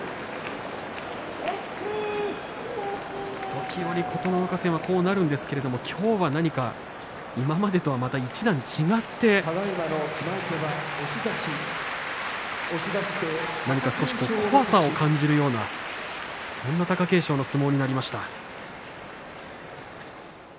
時折、琴ノ若戦はこうなるんですけれども今日は何か今までとはまた一段違って何か少し怖さを感じるようなそんな貴景勝の相撲になりました。